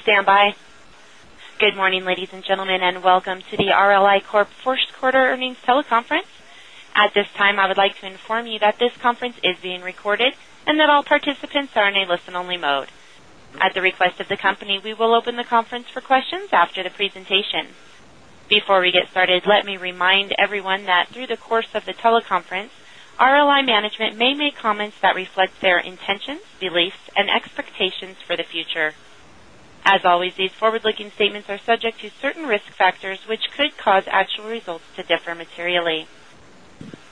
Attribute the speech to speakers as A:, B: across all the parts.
A: Please stand by. Good morning, ladies and gentlemen, and welcome to the RLI Corp first quarter earnings teleconference. At this time, I would like to inform you that this conference is being recorded and that all participants are in a listen-only mode. At the request of the company, we will open the conference for questions after the presentation. Before we get started, let me remind everyone that through the course of the teleconference, RLI management may make comments that reflect their intentions, beliefs, and expectations for the future. As always, these forward-looking statements are subject to certain risk factors which could cause actual results to differ materially.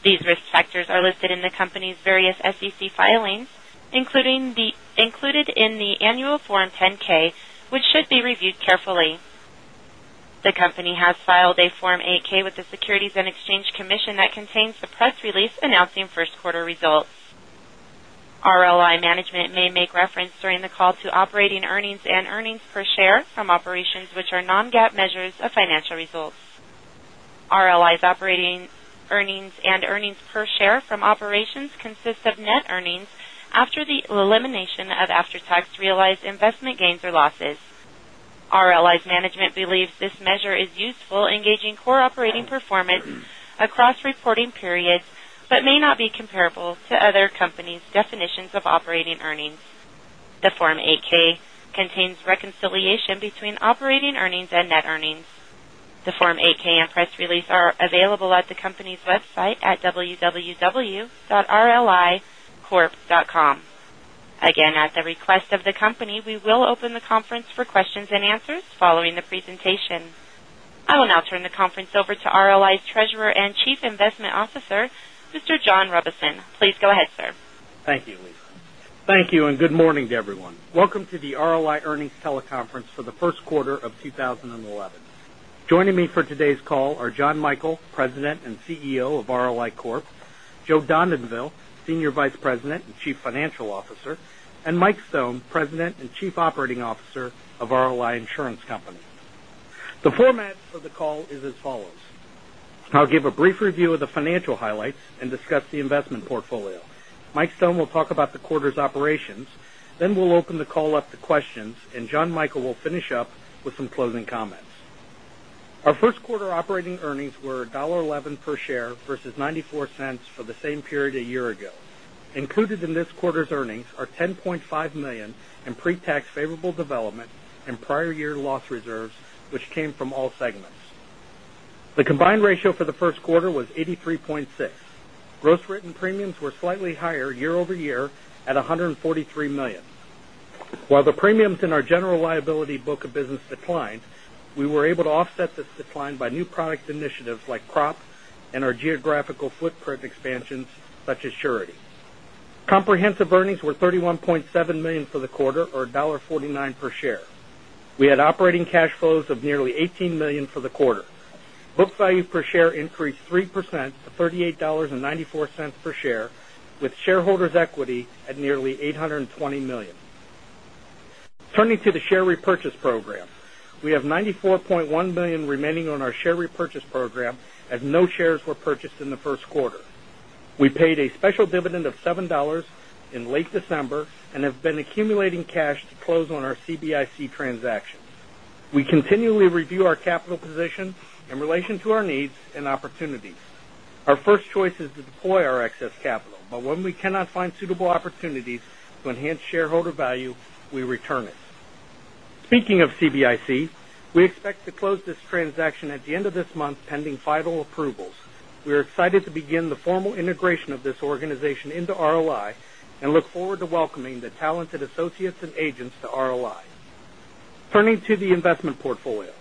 A: These risk factors are listed in the company's various SEC filings, included in the annual Form 10-K, which should be reviewed carefully. The company has filed a Form 8-K with the Securities and Exchange Commission that contains the press release announcing first quarter results. RLI management may make reference during the call to operating earnings and earnings per share from operations which are non-GAAP measures of financial results. RLI's operating earnings and earnings per share from operations consist of net earnings after the elimination of after-tax realized investment gains or losses. RLI's management believes this measure is useful in gauging core operating performance across reporting periods but may not be comparable to other companies' definitions of operating earnings. The Form 8-K contains reconciliation between operating earnings and net earnings. The Form 8-K and press release are available at the company's website at www.rlicorp.com. Again, at the request of the company, we will open the conference for questions and answers following the presentation. I will now turn the conference over to RLI's Treasurer and Chief Investment Officer, Mr. John Robison. Please go ahead, sir.
B: Thank you, Lisa. Thank you and good morning to everyone. Welcome to the RLI Earnings Teleconference for the first quarter of 2011. Joining me for today's call are Jonathan Michael, President and CEO of RLI Corp; Joseph Dondanville, Senior Vice President and Chief Financial Officer; and Mike Stone, President and Chief Operating Officer of RLI Insurance Company. The format for the call is as follows. I'll give a brief review of the financial highlights and discuss the investment portfolio. Mike Stone will talk about the quarter's operations, then we'll open the call up to questions, and Jonathan Michael will finish up with some closing comments. Our first quarter operating earnings were $1.11 per share versus $0.94 for the same period a year ago. Included in this quarter's earnings are $10.5 million in pre-tax favorable development and prior year loss reserves, which came from all segments. The combined ratio for the first quarter was 83.6%. Gross written premiums were slightly higher year-over-year at $143 million. While the premiums in our general liability book of business declined, we were able to offset this decline by new product initiatives like crop and our geographical footprint expansions, such as surety. Comprehensive earnings were $31.7 million for the quarter, or $1.49 per share. We had operating cash flows of nearly $18 million for the quarter. Book value per share increased 3% to $38.94 per share, with shareholders' equity at nearly $820 million. Turning to the share repurchase program, we have $94.1 million remaining on our share repurchase program as no shares were purchased in the first quarter. We paid a special dividend of $7 in late December and have been accumulating cash to close on our CBIC transactions. We continually review our capital position in relation to our needs and opportunities. Our first choice is to deploy our excess capital. When we cannot find suitable opportunities to enhance shareholder value, we return it. Speaking of CBIC, we expect to close this transaction at the end of this month, pending final approvals. We are excited to begin the formal integration of this organization into RLI and look forward to welcoming the talented associates and agents to RLI. Turning to the investment portfolio.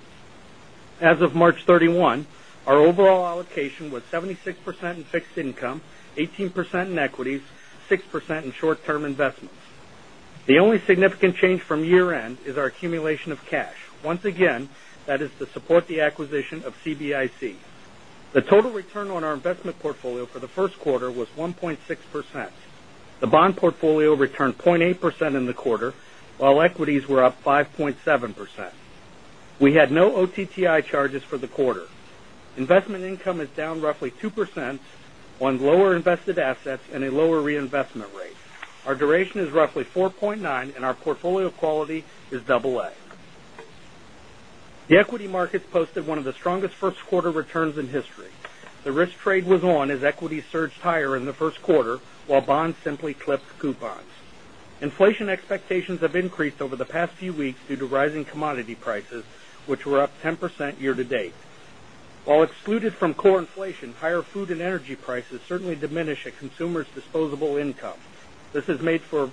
B: As of March 31, our overall allocation was 76% in fixed income, 18% in equities, 6% in short-term investments. The only significant change from year-end is our accumulation of cash. Once again, that is to support the acquisition of CBIC. The total return on our investment portfolio for the first quarter was 1.6%. The bond portfolio returned 0.8% in the quarter, while equities were up 5.7%. We had no OTTI charges for the quarter. Investment income is down roughly 2% on lower invested assets and a lower reinvestment rate. Our duration is roughly 4.9 and our portfolio quality is AA. The equity markets posted one of the strongest first-quarter returns in history. The risk trade was on as equities surged higher in the first quarter while bonds simply clipped coupons. Inflation expectations have increased over the past few weeks due to rising commodity prices, which were up 10% year to date. While excluded from core inflation, higher food and energy prices certainly diminish a consumer's disposable income. This has made for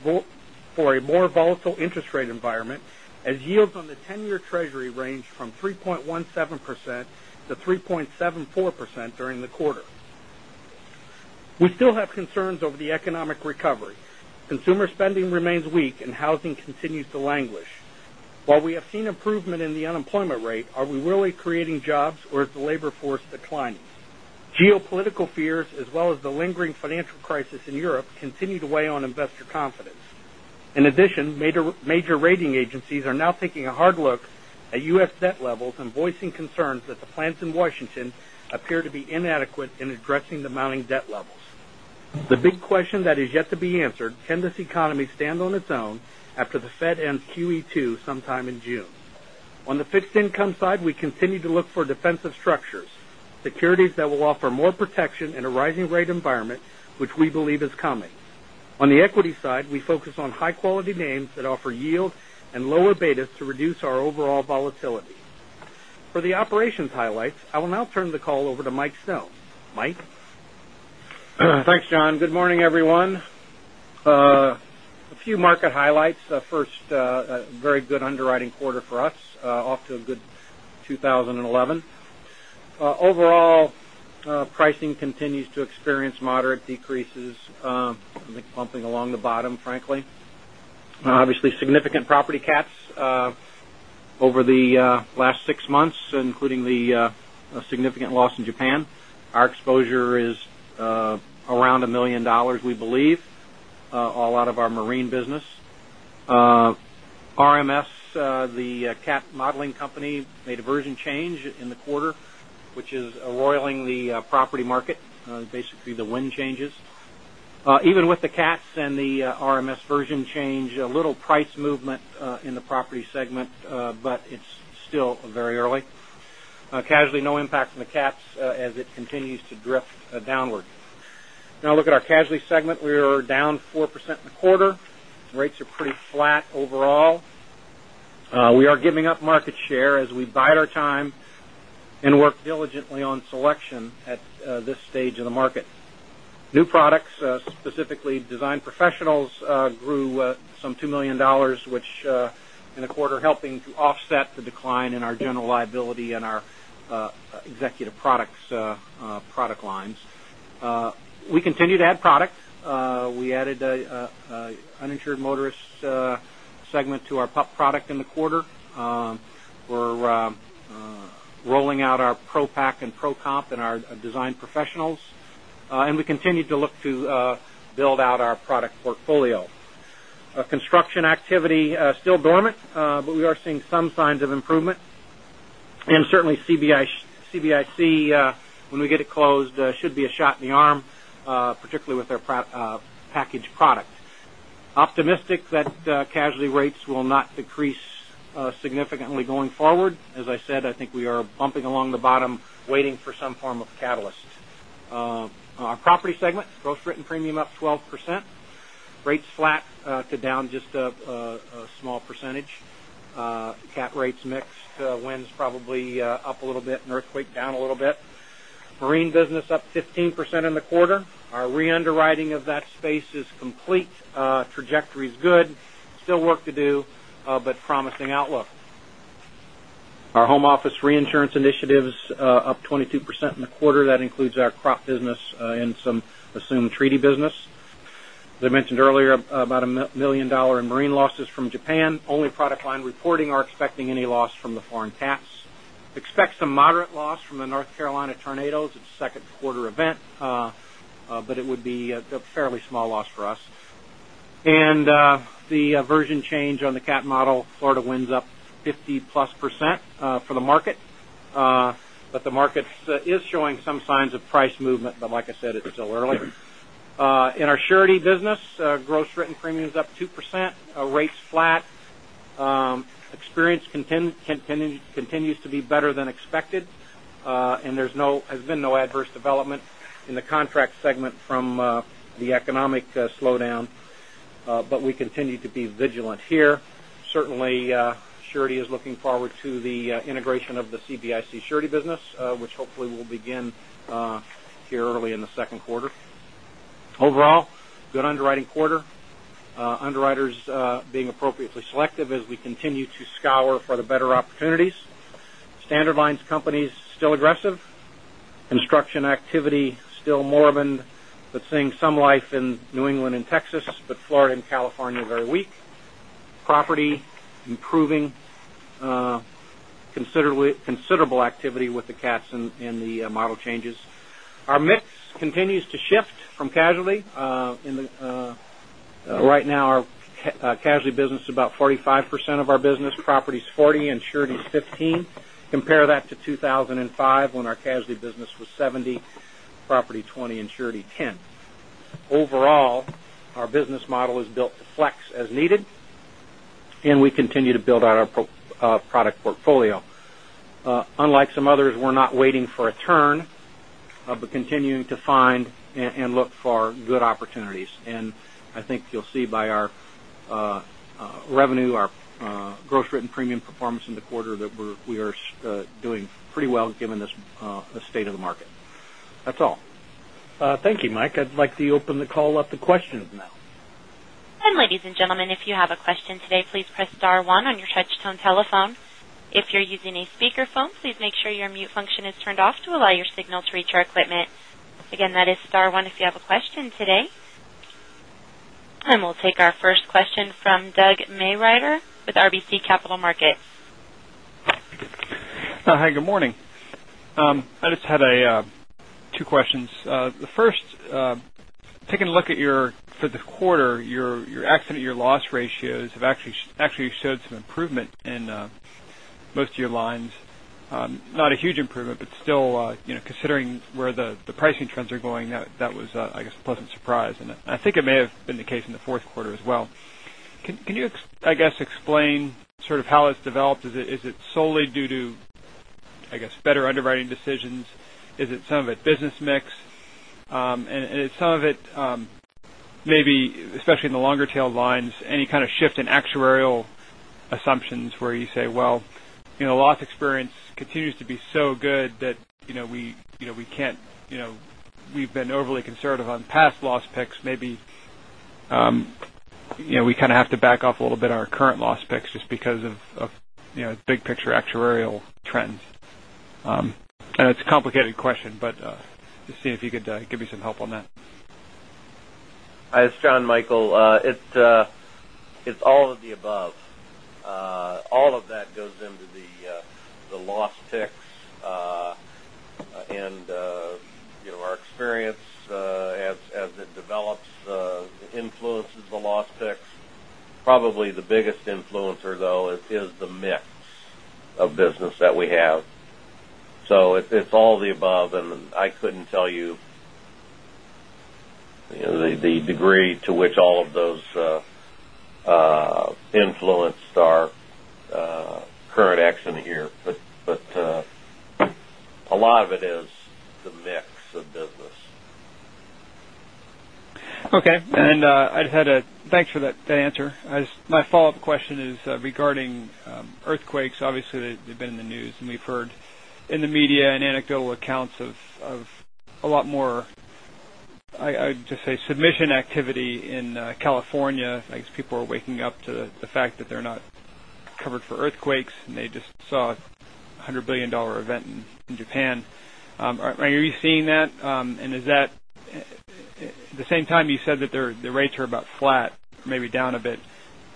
B: a more volatile interest rate environment as yields on the 10-year treasury range from 3.17%-3.74% during the quarter. We still have concerns over the economic recovery. Consumer spending remains weak and housing continues to languish. While we have seen improvement in the unemployment rate, are we really creating jobs or is the labor force declining? Geopolitical fears as well as the lingering financial crisis in Europe continue to weigh on investor confidence. In addition, major rating agencies are now taking a hard look at U.S. debt levels and voicing concerns that the plans in Washington appear to be inadequate in addressing the mounting debt levels. The big question that is yet to be answered: can this economy stand on its own after the Fed ends QE2 sometime in June? On the fixed income side, we continue to look for defensive structures, securities that will offer more protection in a rising rate environment, which we believe is coming. On the equity side, we focus on high-quality names that offer yield and lower betas to reduce our overall volatility. For the operations highlights, I will now turn the call over to Mike Stone. Mike?
C: Thanks, John. Good morning, everyone. A few market highlights. First, a very good underwriting quarter for us, off to a good 2011. Overall, pricing continues to experience moderate decreases, I think bumping along the bottom, frankly. Obviously, significant property cats over the last six months, including the significant loss in Japan. Our exposure is around $1 million, we believe, all out of our marine business. RMS, the cat modeling company, made a version change in the quarter, which is roiling the property market. Basically, the wind changes. Even with the cats and the RMS version change, a little price movement in the property segment, but it's still very early. Casualty, no impact from the cats as it continues to drift downward. Now look at our casualty segment. We are down 4% in the quarter. Rates are pretty flat overall. We are giving up market share as we bide our time and work diligently on selection at this stage in the market. New products, specifically design professionals, grew some $2 million, which in a quarter, helping to offset the decline in our general liability and our Executive Products product lines. We continue to add product. We added a uninsured motorist segment to our PUP product in the quarter. We're rolling out our Pro-Pak and ProComp in our design professionals. We continue to look to build out our product portfolio. Our construction activity still dormant, but we are seeing some signs of improvement. Certainly, CBIC, when we get it closed, should be a shot in the arm, particularly with our package product. Optimistic that casualty rates will not decrease significantly going forward. As I said, I think we are bumping along the bottom, waiting for some form of catalyst. Our property segment, gross written premium up 12%, rates flat to down just a small percentage. Cat rates mixed. Wind's probably up a little bit and earthquake down a little bit. Marine business up 15% in the quarter. Our re-underwriting of that space is complete. Trajectory's good. Still work to do, but promising outlook. Our home office reinsurance initiatives up 22% in the quarter. That includes our crop business and some assumed treaty business. As I mentioned earlier, about $1 million in marine losses from Japan. Only product line reporting are expecting any loss from the foreign cats. Expect some moderate loss from the North Carolina tornadoes. It's a second quarter event, but it would be a fairly small loss for us. The version change on the cat model, Florida winds up 50-plus % for the market. The market is showing some signs of price movement, but, like I said, it's still early. In our surety business, gross written premiums up 2%, our rates flat. Experience continues to be better than expected. There's been no adverse development in the contract segment from the economic slowdown, but we continue to be vigilant here. Certainly, surety is looking forward to the integration of the CBIC surety business, which hopefully will begin here early in the second quarter. Overall, good underwriting quarter. Underwriters being appropriately selective as we continue to scour for the better opportunities. Standard lines companies still aggressive. Construction activity still moribund, but seeing some life in New England and Texas, but Florida and California, very weak. Property improving. Considerable activity with the cats and the model changes. Our mix continues to shift from casualty. Right now, our casualty business is about 45% of our business, property's 40%, and surety's 15%. Compare that to 2005, when our casualty business was 70%, property 20%, and surety 10%. Overall, our business model is built to flex as needed, and we continue to build out our product portfolio. Unlike some others, we're not waiting for a turn, but continuing to find and look for good opportunities. I think you'll see by our revenue, our gross written premiums performance in the quarter, that we are doing pretty well given the state of the market. That's all.
B: Thank you, Mike. I'd like to open the call up to questions now.
A: Ladies and gentlemen, if you have a question today, please press star one on your touch-tone telephone. If you're using a speakerphone, please make sure your mute function is turned off to allow your signal to reach our equipment. Again, that is star one if you have a question today. We'll take our first question from Douglas Miehm with RBC Capital Markets.
D: Hi, good morning. I just had two questions. The first, taking a look at your, for the quarter, your accident, your loss ratios have actually showed some improvement in most of your lines. Not a huge improvement, but still, considering where the pricing trends are going, that was, I guess, a pleasant surprise. I think it may have been the case in the fourth quarter as well. Can you, I guess, explain how it's developed? Is it solely due to, I guess, better underwriting decisions? Is it some of it business mix? Is some of it, maybe especially in the longer tail lines, any kind of shift in actuarial assumptions where you say, "Well, loss experience continues to be so good that we've been overly conservative on past loss picks." Maybe we kind of have to back off a little bit on our current loss picks just because of big picture actuarial trends. It's a complicated question, but just seeing if you could give me some help on that.
E: It's Jonathan Michael. It's all of the above. All of that goes into the loss picks. Our experience, as it develops, influences the loss picks. Probably the biggest influencer, though, is the mix of business that we have. It's all of the above, and I couldn't tell you the degree to which all of those influenced our current action here. A lot of it is the mix of business.
D: Okay. Thanks for that answer. My follow-up question is regarding earthquakes. Obviously, they've been in the news, and we've heard in the media and anecdotal accounts of a lot more, I would just say, submission activity in California as people are waking up to the fact that they're not covered for earthquakes, and they just saw a $100 billion event in Japan. Are you seeing that? At the same time, you said that their rates are about flat, maybe down a bit.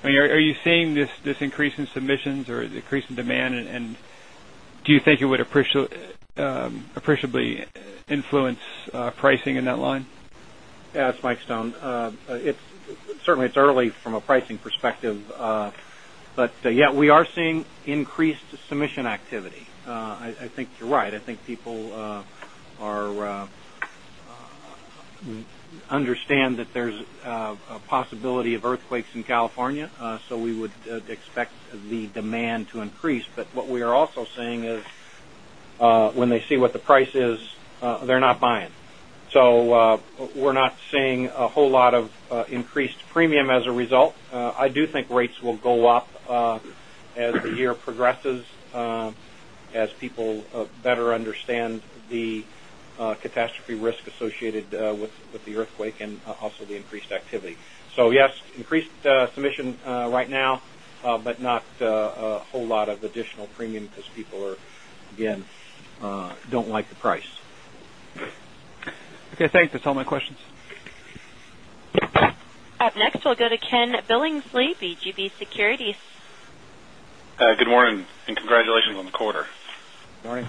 D: Are you seeing this increase in submissions or increase in demand? Do you think it would appreciably influence pricing in that line?
C: Yes, Mike Stone. Certainly it's early from a pricing perspective. Yeah, we are seeing increased submission activity. I think you're right. I think people understand that there's a possibility of earthquakes in California. We would expect the demand to increase. What we are also seeing is when they see what the price is, they're not buying. We're not seeing a whole lot of increased premium as a result. I do think rates will go up as the year progresses as people better understand the catastrophe risk associated with the earthquake and also the increased activity. Yes, increased submission right now but not a whole lot of additional premium because people are, again, don't like the price.
D: Okay, thanks. That's all my questions.
A: Up next, we'll go to Kenneth Billingsley, BGB Securities.
F: Hi. Good morning, congratulations on the quarter.
E: Good morning.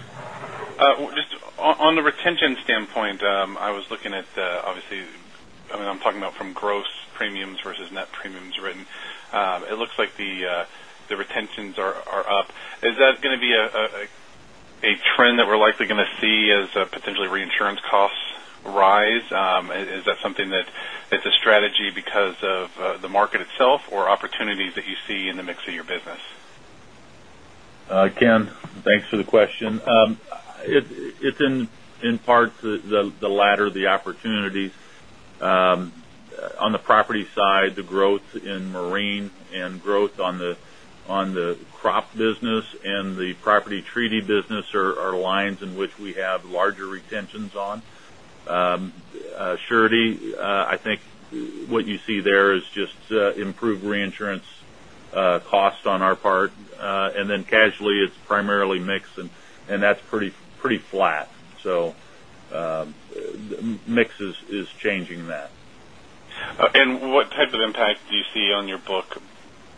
F: Just on the retention standpoint, I was looking at, obviously, I'm talking about from gross premiums versus net premiums written. It looks like the retentions are up. Is that going to be a trend that we're likely going to see as potentially reinsurance costs rise? Is that something that's a strategy because of the market itself or opportunities that you see in the mix of your business?
E: Ken, thanks for the question. It's in part the latter, the opportunities. On the property side, the growth in marine and growth on the crop business and the property treaty business are lines in which we have larger retentions on. Surety, I think what you see there is just improved reinsurance cost on our part. Then casualty, it's primarily mix, and that's pretty flat. Mix is changing that.
F: What type of impact do you see on your book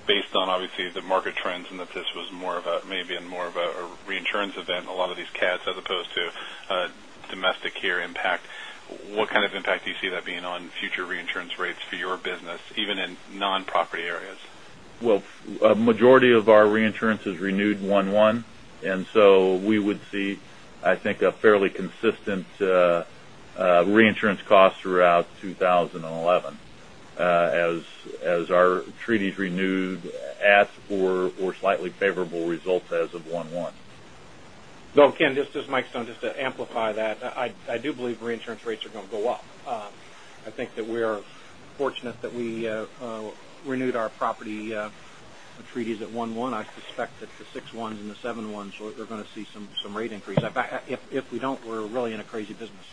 F: based on, obviously, the market trends and that this was maybe more of a reinsurance event, a lot of these cats, as opposed to domestic here impact. What kind of impact do you see that being on future reinsurance rates for your business, even in non-property areas?
E: Well, a majority of our reinsurance is renewed 1/1, and so we would see, I think, a fairly consistent reinsurance cost throughout 2011 as our treaties renewed at or slightly favorable results as of 1/1.
C: Well, Ken, this is Mike Stone. Just to amplify that, I do believe reinsurance rates are going to go up. I think that we are fortunate that we renewed our property treaties at 1/1. I suspect that the 6/1s and the 7/1s are going to see some rate increase. If we don't, we're really in a crazy business.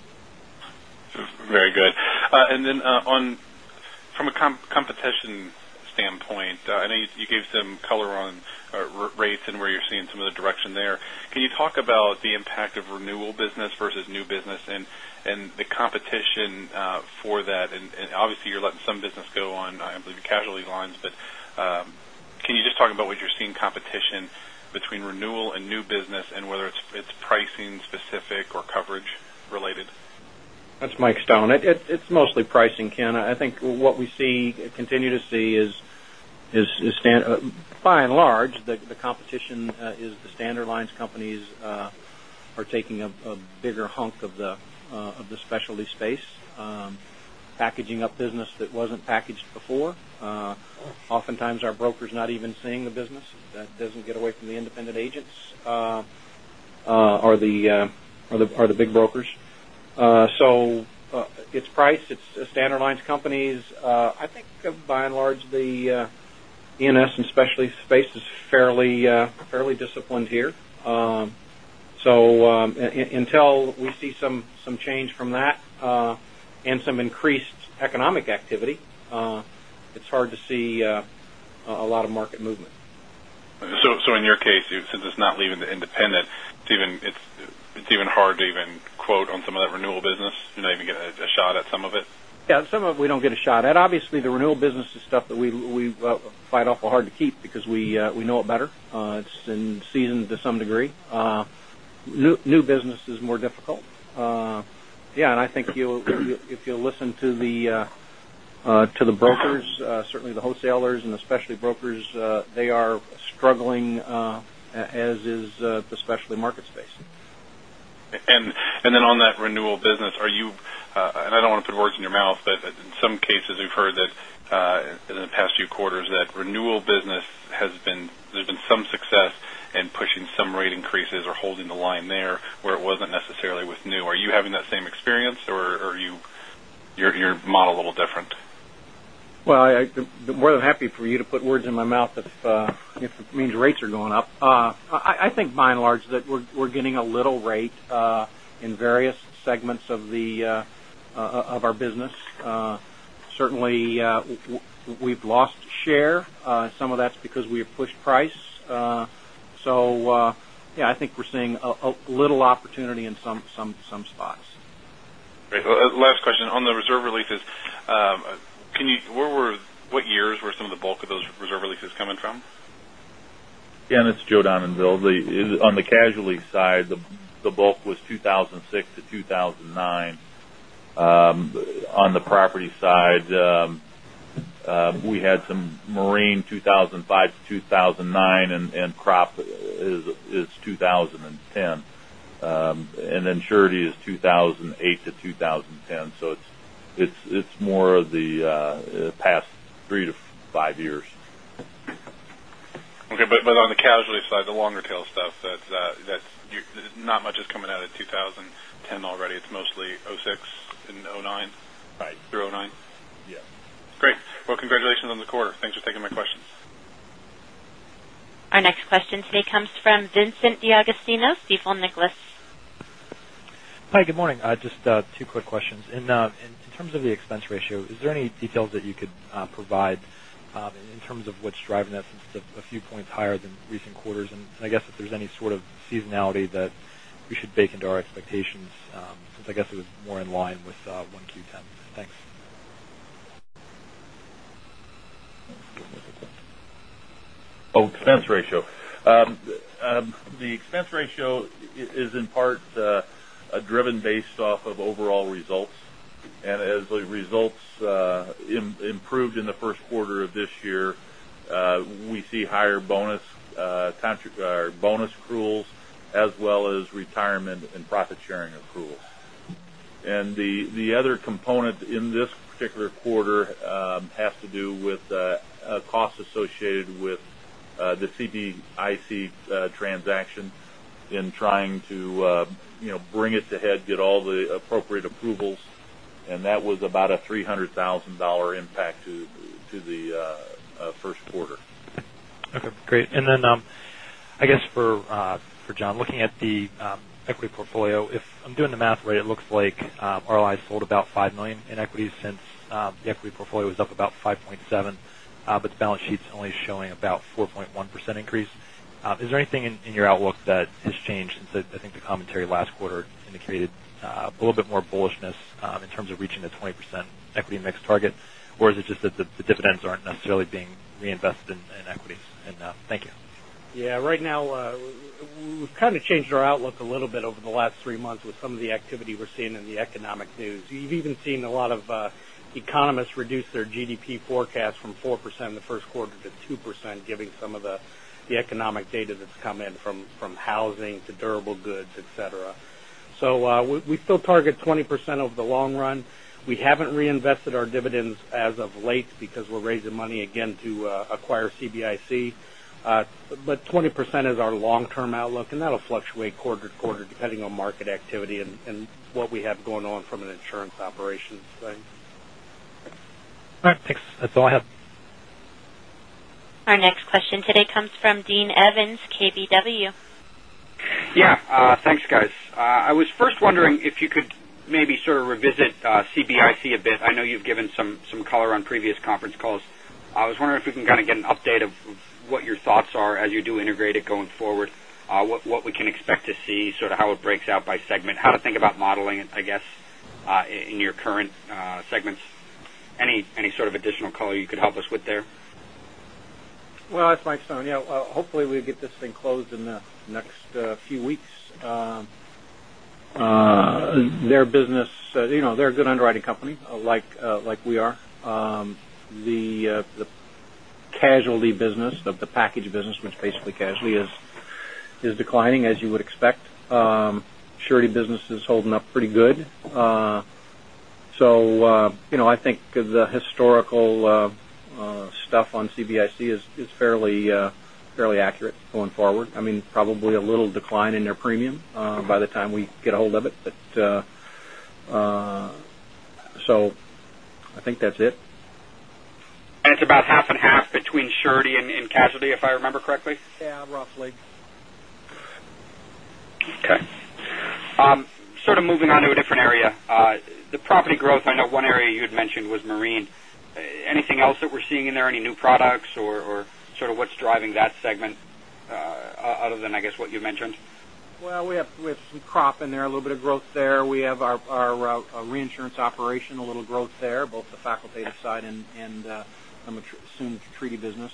F: Very good. From a competition standpoint, I know you gave some color on rates and where you're seeing some of the direction there. Can you talk about the impact of renewal business versus new business and the competition for that? Obviously, you're letting some business go on, I believe, casualty lines. Can you just talk about where you're seeing competition between renewal and new business and whether it's pricing specific or coverage related?
C: That's Mike Stone. It's mostly pricing, Ken. I think what we continue to see is, by and large, the competition is the standard lines companies are taking a bigger hunk of the specialty space, packaging up business that wasn't packaged before. Oftentimes, our broker's not even seeing the business. That doesn't get away from the independent agents or the big brokers. It's price, it's standard lines companies. I think by and large, the E&S and specialty space is fairly disciplined here. Until we see some change from that and some increased economic activity, it's hard to see a lot of market movement.
F: In your case, since it's not leaving the independent, it's even hard to even quote on some of that renewal business. You're not even getting a shot at some of it?
C: Some of we don't get a shot at. Obviously, the renewal business is stuff that we fight awful hard to keep because we know it better. It's been seasoned to some degree. New business is more difficult. I think if you'll listen to the brokers, certainly the wholesalers and the specialty brokers, they are struggling, as is the specialty market space.
F: On that renewal business, and I don't want to put words in your mouth, but in some cases, we've heard that in the past few quarters that renewal business, there's been some success in pushing some rate increases or holding the line there, where it wasn't necessarily with new. Are you having that same experience, or is your model a little different?
C: I'm more than happy for you to put words in my mouth if it means rates are going up. I think by and large that we're getting a little rate in various segments of our business. Certainly, we've lost share. Some of that's because we have pushed price. I think we're seeing a little opportunity in some spots.
F: Great. Last question. On the reserve releases, what years were some of the bulk of those reserve releases coming from?
G: Yeah. It's Joe Dondanville, Bill. On the casualty side, the bulk was 2006-2009. On the property side, we had some marine 2005-2009, crop is 2010. Surety is 2008-2010. It's more of the past three to five years.
F: Okay. On the casualty side, the longer tail stuff, not much is coming out of 2010 already. It's mostly 2006 and 2009?
G: Right.
F: Through 2009?
G: Yeah.
F: Great. Well, congratulations on the quarter. Thanks for taking my questions.
A: Our next question today comes from Vincent D'Agostino, Stifel Nicolaus.
H: Hi, good morning. Just two quick questions. In terms of the expense ratio, is there any details that you could provide in terms of what's driving that since it's a few points higher than recent quarters? I guess if there's any sort of seasonality that we should bake into our expectations since I guess it was more in line with 1Q 2010. Thanks.
E: Expense ratio. The expense ratio is in part driven based off of overall results. As the results improved in the first quarter of this year, we see higher bonus accruals as well as retirement and profit-sharing accruals. The other component in this particular quarter has to do with costs associated with the CBIC transaction in trying to bring it to head, get all the appropriate approvals. That was about a $300,000 impact to the first quarter.
H: Okay, great. I guess for John, looking at the equity portfolio. If I'm doing the math right, it looks like RLI sold about $5 million in equities since the equity portfolio is up about 5.7%, but the balance sheet's only showing about 4.1% increase. Is there anything in your outlook that has changed since, I think, the commentary last quarter indicated a little bit more bullishness in terms of reaching the 20% equity mix target? Or is it just that the dividends aren't necessarily being reinvested in equities? Thank you.
B: Yeah. Right now, we've kind of changed our outlook a little bit over the last three months with some of the activity we're seeing in the economic news. You've even seen a lot of economists reduce their GDP forecast from 4% in the first quarter to 2%, giving some of the economic data that's come in from housing to durable goods, et cetera. We still target 20% over the long run. We haven't reinvested our dividends as of late because we're raising money again to acquire CBIC. 20% is our long-term outlook, and that'll fluctuate quarter to quarter depending on market activity and what we have going on from an insurance operations thing.
H: All right. Thanks. That's all I have.
A: Our next question today comes from Dean Evans, KBW.
I: Thanks, guys. I was first wondering if you could maybe sort of revisit CBIC a bit. I know you've given some color on previous conference calls. I was wondering if we can kind of get an update of what your thoughts are as you do integrate it going forward, what we can expect to see, sort of how it breaks out by segment, how to think about modeling it, I guess, in your current segments. Any sort of additional color you could help us with there?
C: It's Mike Stone. Hopefully, we'll get this thing closed in the next few weeks. They're a good underwriting company, like we are. The casualty business of the package business, which basically casualty, is declining, as you would expect. Surety business is holding up pretty good. I think the historical stuff on CBIC is fairly accurate going forward. Probably a little decline in their premium by the time we get a hold of it. I think that's it.
I: It's about half and half between surety and casualty, if I remember correctly?
C: Roughly.
I: Okay. Sort of moving on to a different area. The property growth, I know one area you had mentioned was marine. Anything else that we're seeing in there? Any new products or sort of what's driving that segment other than, I guess, what you mentioned?
C: Well, we have some crop in there, a little bit of growth there. We have our reinsurance operation, a little growth there, both the facultative side and assumed treaty business.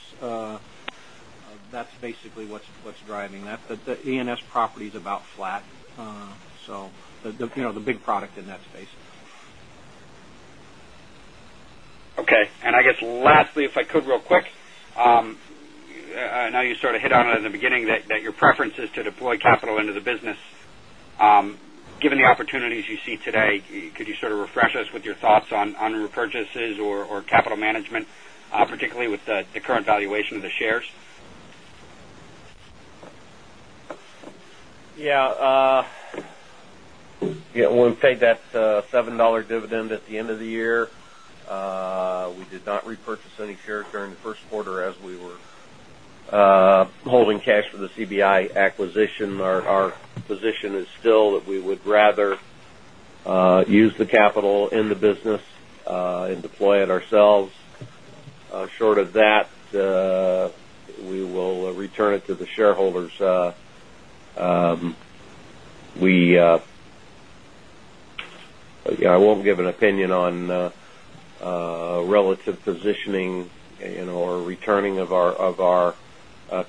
C: That's basically what's driving that. The E&S property's about flat. The big product in that space.
I: Okay. I guess lastly, if I could real quick. I know you sort of hit on it in the beginning that your preference is to deploy capital into the business. Given the opportunities you see today, could you sort of refresh us with your thoughts on repurchases or capital management, particularly with the current valuation of the shares?
E: Yeah. We paid that $7 dividend at the end of the year. We did not repurchase any shares during the first quarter as we were holding cash for the CBIC acquisition. Our position is still that we would rather use the capital in the business and deploy it ourselves. Short of that, we will return it to the shareholders. I won't give an opinion on relative positioning or returning of our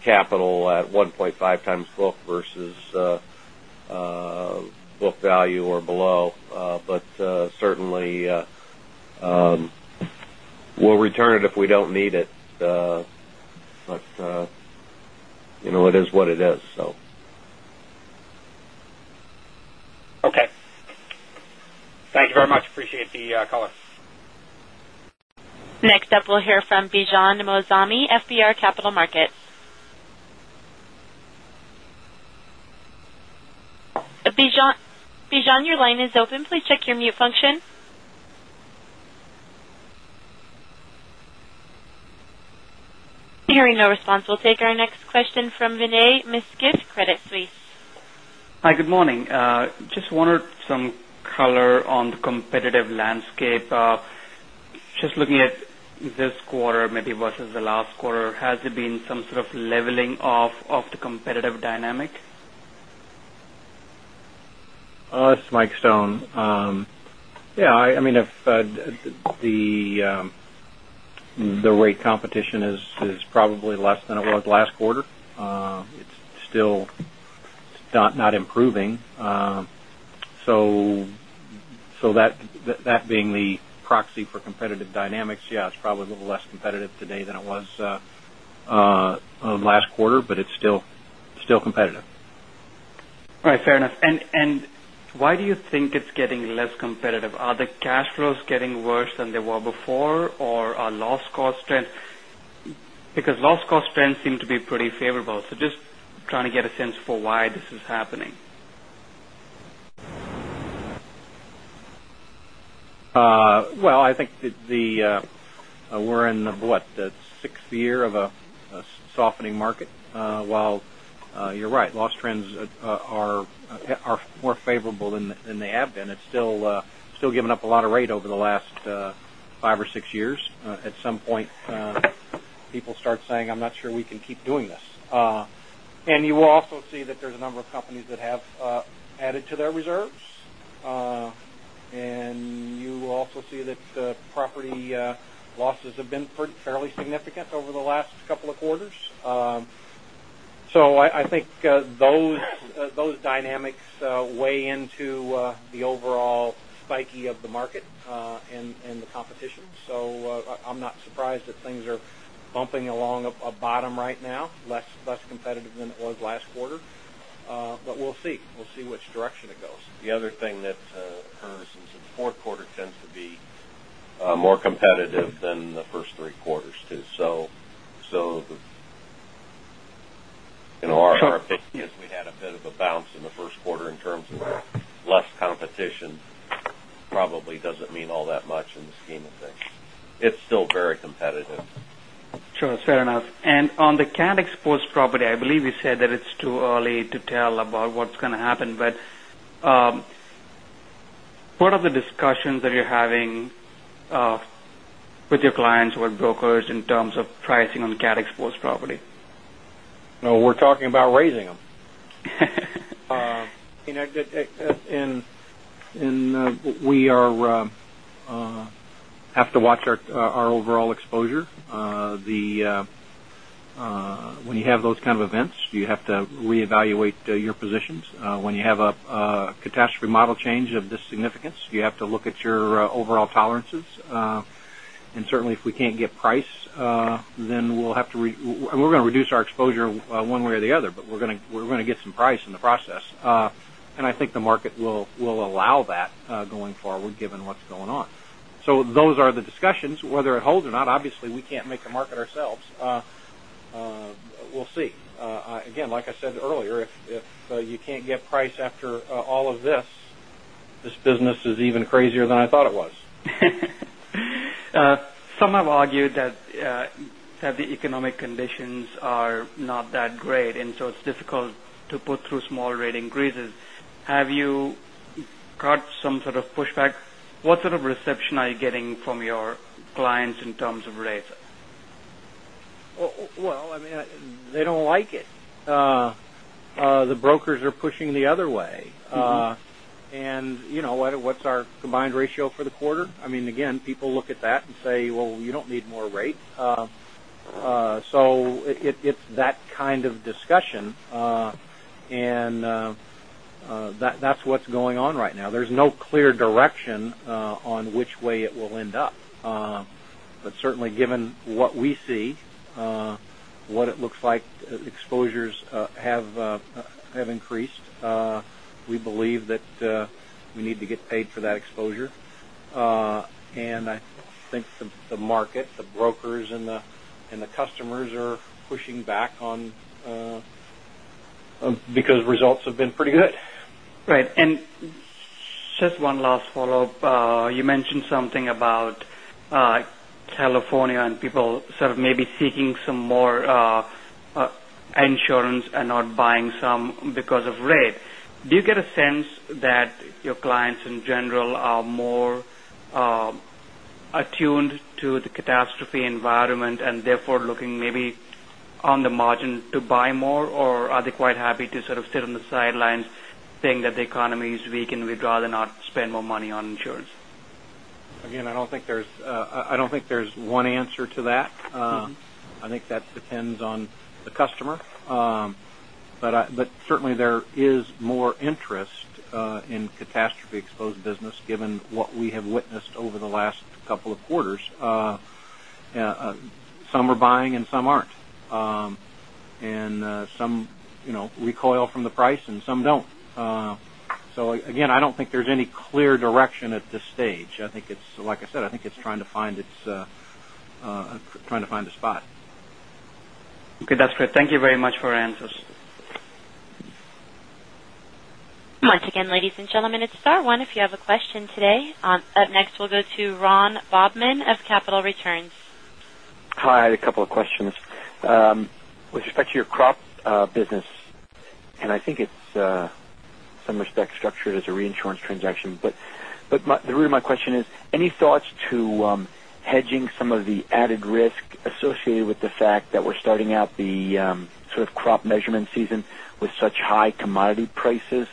E: capital at 1.5 times book versus book value or below. Certainly, we'll return it if we don't need it. It is what it is.
I: Okay. Thank you very much. Appreciate the call.
A: Next up, we'll hear from Bijan Moazami, FBR Capital Markets. Bijan, your line is open. Please check your mute function. Hearing no response, we'll take our next question from Vinay Misquith, Credit Suisse.
J: Hi, good morning. Just wondered some color on the competitive landscape. Just looking at this quarter maybe versus the last quarter, has there been some sort of leveling off of the competitive dynamic?
C: It's Mike Stone. Yeah. The rate competition is probably less than it was last quarter. It's still not improving. That being the proxy for competitive dynamics, yeah, it's probably a little less competitive today than it was last quarter, but it's still competitive.
J: All right. Fair enough. Why do you think it's getting less competitive? Are the cash flows getting worse than they were before, or are loss cost trends? Because loss cost trends seem to be pretty favorable. Just trying to get a sense for why this is happening.
C: Well, I think we're in, what? The sixth year of a softening market. While you're right, loss trends are more favorable than they have been. It's still giving up a lot of rate over the last five or six years. At some point, people start saying, "I'm not sure we can keep doing this." You will also see that there's a number of companies that have added to their reserves. You will also see that property losses have been fairly significant over the last couple of quarters. I think those dynamics weigh into the overall psyche of the market, and the competition. I'm not surprised that things are bumping along a bottom right now, less competitive than it was last quarter. We'll see. We'll see which direction it goes. The other thing that occurs is that the fourth quarter tends to be more competitive than the first three quarters, too.
J: Sure
C: Our opinion is we had a bit of a bounce in the first quarter in terms of less competition. Probably doesn't mean all that much in the scheme of things. It's still very competitive.
J: Sure. Fair enough. On the cat exposed property, I believe you said that it's too early to tell about what's going to happen. What are the discussions that you're having with your clients, with brokers in terms of pricing on cat exposed property?
C: We're talking about raising them. We have to watch our overall exposure. When you have those kind of events, you have to reevaluate your positions. When you have a catastrophe model change of this significance, you have to look at your overall tolerances. Certainly, if we can't get price, we're going to reduce our exposure one way or the other, but we're going to get some price in the process. I think the market will allow that going forward, given what's going on. Those are the discussions. Whether it holds or not, obviously, we can't make the market ourselves. We'll see. Again, like I said earlier, if you can't get price after all of this business is even crazier than I thought it was.
J: Some have argued that the economic conditions are not that great, it's difficult to put through small rate increases. Have you got some sort of pushback? What sort of reception are you getting from your clients in terms of rates?
C: Well, they don't like it. The brokers are pushing the other way. What's our combined ratio for the quarter? Again, people look at that and say, "Well, you don't need more rate." It's that kind of discussion. That's what's going on right now. There's no clear direction on which way it will end up. Certainly, given what we see, what it looks like, exposures have increased. We believe that we need to get paid for that exposure. I think the market, the brokers, and the customers are pushing back because results have been pretty good.
J: Right. Just one last follow-up. You mentioned something about California and people sort of maybe seeking some more insurance and not buying some because of rate. Do you get a sense that your clients, in general, are more attuned to the catastrophe environment and therefore looking maybe on the margin to buy more? Or are they quite happy to sort of sit on the sidelines saying that the economy is weak and we'd rather not spend more money on insurance?
C: Again, I don't think there's one answer to that. I think that depends on the customer. Certainly, there is more interest in catastrophe-exposed business given what we have witnessed over the last couple of quarters. Some are buying, and some aren't. Some recoil from the price, and some don't. Again, I don't think there's any clear direction at this stage. Like I said, I think it's trying to find a spot.
J: Okay. That's great. Thank you very much for the answers.
A: Once again, ladies and gentlemen, it's star one if you have a question today. Up next, we'll go to Ron Bobman of Capital Returns.
K: Hi, I had a couple of questions. With respect to your crop business, I think it's, in some respect, structured as a reinsurance transaction. The root of my question is, any thoughts to hedging some of the added risk associated with the fact that we're starting out the sort of crop measurement season with such high commodity prices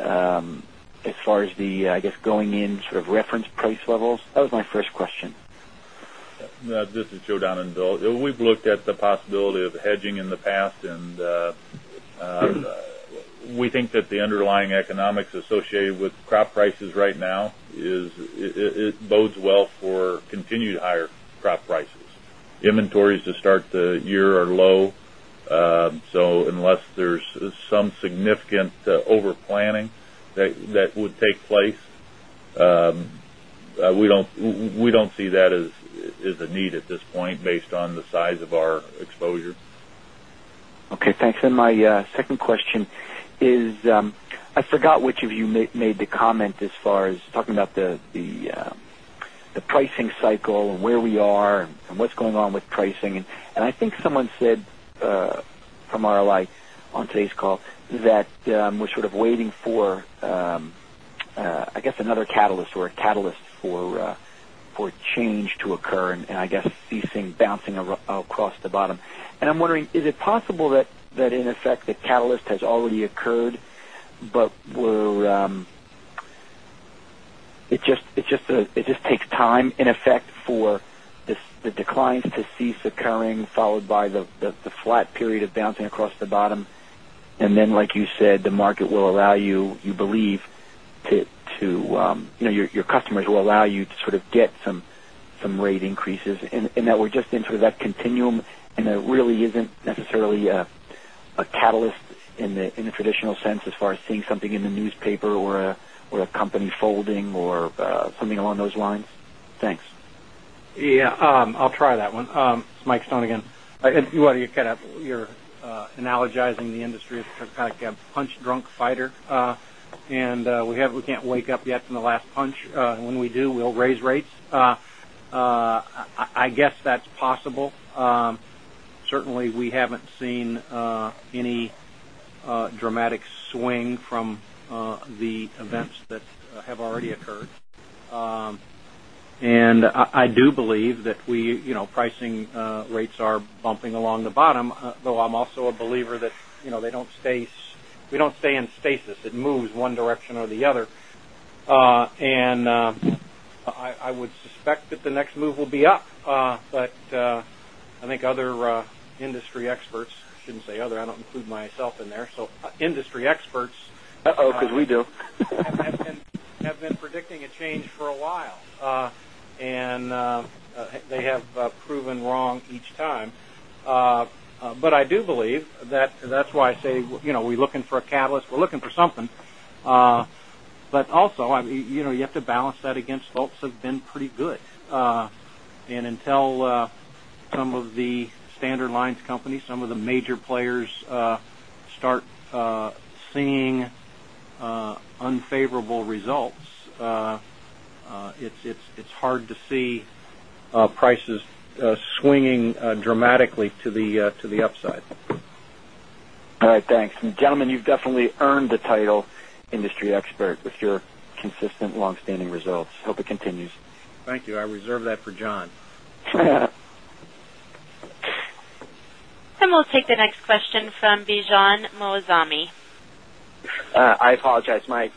K: as far as the, I guess, going in sort of reference price levels? That was my first question.
L: This is Aaron Diefenthaler. We've looked at the possibility of hedging in the past, we think that the underlying economics associated with crop prices right now bodes well for continued higher crop prices. Inventories to start the year are low. Unless there's some significant over-planning that would take place, we don't see that as a need at this point based on the size of our exposure.
K: Okay, thanks. My second question is, I forgot which of you made the comment as far as talking about the pricing cycle and where we are and what's going on with pricing. I think someone said from RLI on today's call that we're sort of waiting for, I guess, another catalyst or a catalyst for change to occur, I guess ceasing bouncing across the bottom. I'm wondering, is it possible that in effect, the catalyst has already occurred, it just takes time, in effect, for the declines to cease occurring, followed by the flat period of bouncing across the bottom? like you said, the market will allow you believe, your customers will allow you to sort of get some rate increases, we're just into that continuum, there really isn't necessarily a catalyst in the traditional sense as far as seeing something in the newspaper or a company folding or something along those lines? Thanks.
C: Yeah. I'll try that one. This is Mike Stone again. You're analogizing the industry as kind of like a punch-drunk fighter, we can't wake up yet from the last punch. When we do, we'll raise rates. I guess that's possible. Certainly, we haven't seen any dramatic swing from the events that have already occurred. I do believe that pricing rates are bumping along the bottom, though I'm also a believer that we don't stay in stasis. It moves one direction or the other. I would suspect that the next move will be up. I think other industry experts, I shouldn't say other, I don't include myself in there, so industry experts-
E: Uh-oh, because we do.
C: Have been predicting a change for a while, they have proven wrong each time. I do believe that's why I say, we're looking for a catalyst. We're looking for something. You have to balance that against results have been pretty good. Until some of the standard lines companies, some of the major players, start seeing unfavorable results, it's hard to see prices swinging dramatically to the upside.
K: All right, thanks. Gentlemen, you've definitely earned the title industry expert with your consistent, long-standing results. Hope it continues.
C: Thank you. I reserve that for John.
A: We'll take the next question from Bijan Moazami.
M: I apologize. My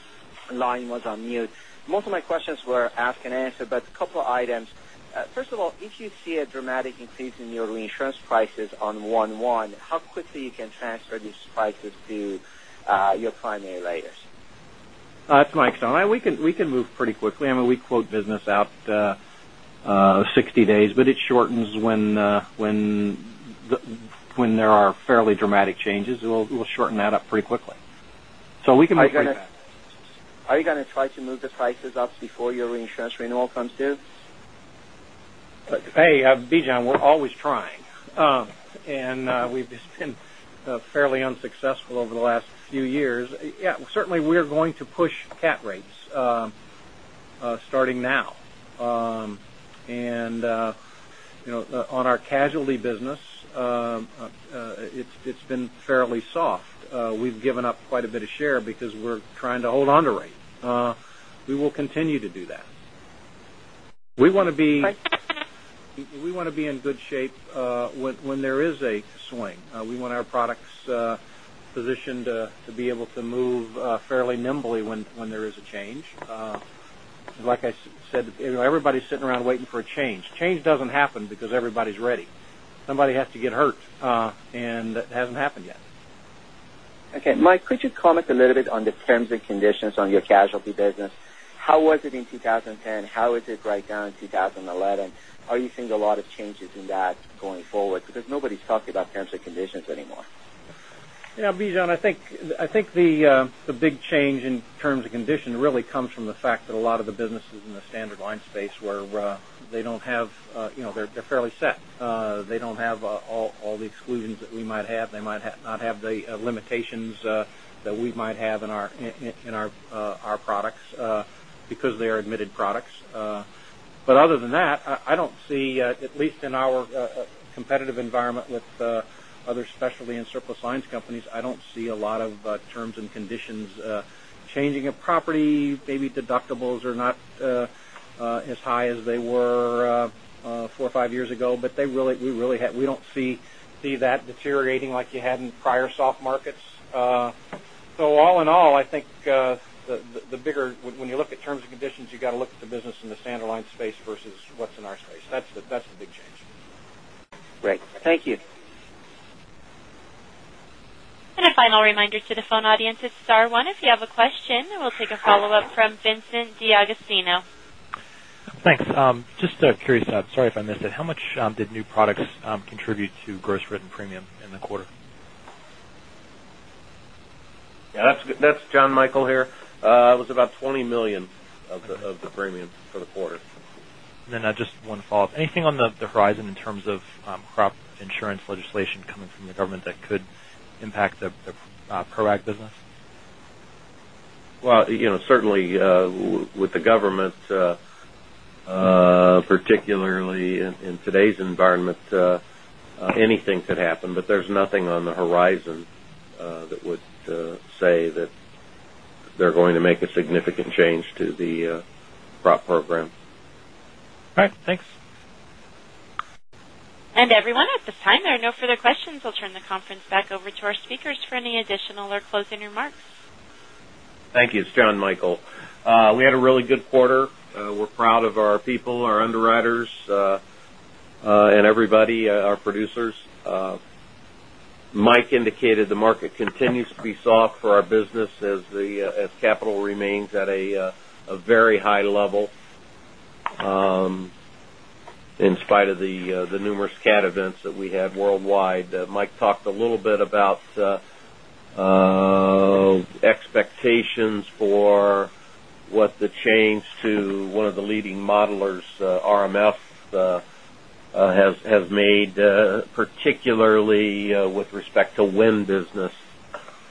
M: line was on mute. Most of my questions were asked and answered, but a couple items. First of all, if you see a dramatic increase in your reinsurance prices on 1/1, how quickly you can transfer these prices to your primary layers?
C: It's Mike Stone. We can move pretty quickly. We quote business out 60 days, but it shortens when there are fairly dramatic changes. We'll shorten that up pretty quickly. We can move pretty fast.
M: Are you going to try to move the prices up before your reinsurance renewal comes due?
C: Hey, Bijan, we're always trying. We've just been fairly unsuccessful over the last few years. Certainly, we're going to push cat rates, starting now. On our casualty business, it's been fairly soft. We've given up quite a bit of share because we're trying to hold on to rate. We will continue to do that. We want to be in good shape when there is a swing. We want our products positioned to be able to move fairly nimbly when there is a change. Like I said, everybody's sitting around waiting for a change. Change doesn't happen because everybody's ready. Somebody has to get hurt, and that hasn't happened yet.
M: Okay. Mike, could you comment a little bit on the terms and conditions on your casualty business? How was it in 2010? How is it right now in 2011? Are you seeing a lot of changes in that going forward? Nobody's talking about terms and conditions anymore.
C: Yeah, Bijan, I think the big change in terms and conditions really comes from the fact that a lot of the businesses in the standard line space, they're fairly set. They don't have all the exclusions that we might have. They might not have the limitations that we might have in our products because they are admitted products. Other than that, at least in our competitive environment with other specialty and surplus lines companies, I don't see a lot of terms and conditions changing. In property, maybe deductibles are not as high as they were four or five years ago, we don't see that deteriorating like you had in prior soft markets. All in all, I think when you look at terms and conditions, you got to look at the business in the standard line space versus what's in our space. That's the big change.
M: Great. Thank you.
A: A final reminder to the phone audience, it's star one if you have a question. We'll take a follow-up from Vincent D'Agostino.
H: Thanks. Just curious, sorry if I missed it. How much did new products contribute to gross written premiums in the quarter?
E: Yeah, that's Jonathan Michael here. It was about $20 million of the premium for the quarter.
H: Just one follow-up. Anything on the horizon in terms of crop insurance legislation coming from the government that could impact the crop business?
E: Well, certainly, with the government, particularly in today's environment, anything could happen, but there's nothing on the horizon that would say that they're going to make a significant change to the crop program.
H: All right. Thanks.
A: Everyone, at this time, there are no further questions. I'll turn the conference back over to our speakers for any additional or closing remarks.
E: Thank you. It's John Michael. We had a really good quarter. We're proud of our people, our underwriters, and everybody, our producers. Mike indicated the market continues to be soft for our business as capital remains at a very high level in spite of the numerous cat events that we had worldwide. Mike talked a little bit about expectations for what the change to one of the leading modelers, RMS, has made, particularly with respect to wind business.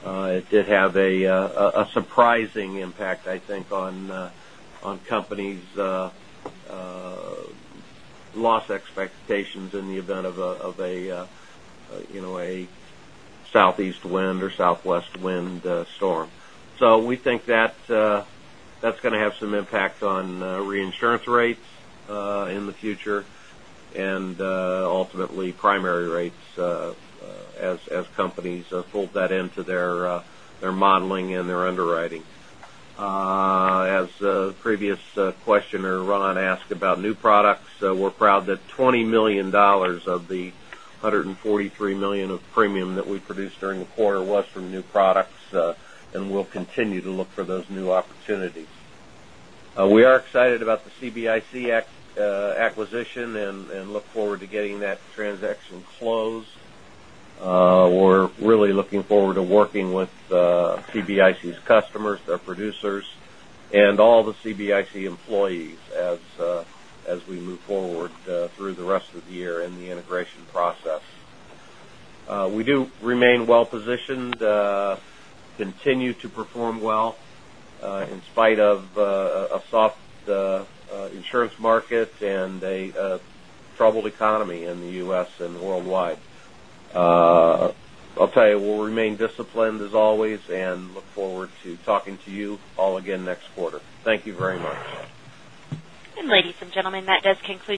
E: It did have a surprising impact, I think, on companies' loss expectations in the event of a southeast wind or southwest wind storm. We think that's going to have some impact on reinsurance rates in the future and ultimately primary rates as companies fold that into their modeling and their underwriting. As a previous questioner, Ron, asked about new products, we're proud that $20 million of the $143 million of premium that we produced during the quarter was from new products, and we'll continue to look for those new opportunities. We are excited about the CBIC acquisition and look forward to getting that transaction closed. We're really looking forward to working with CBIC's customers, their producers, and all the CBIC employees as we move forward through the rest of the year in the integration process. We do remain well-positioned, continue to perform well in spite of a soft insurance market and a troubled economy in the U.S. and worldwide. I'll tell you, we'll remain disciplined as always and look forward to talking to you all again next quarter. Thank you very much.
A: Ladies and gentlemen, that does conclude